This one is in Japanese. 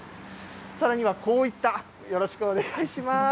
さらにはこういった、よろしくお願いします。